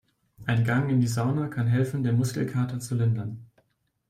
Ein Gang in die Sauna kann helfen, den Muskelkater zu lindern.